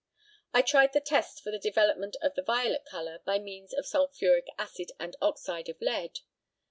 I tried the test for the development of the violet colour by means of sulphuric acid and oxide of lead.